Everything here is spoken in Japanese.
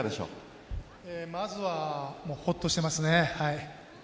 まずはほっとしていますね。